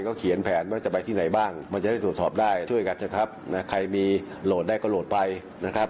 เขาเขียนแผนว่าจะไปที่ไหนบ้างมันจะได้ตรวจสอบได้ช่วยกันเถอะครับนะใครมีโหลดได้ก็โหลดไปนะครับ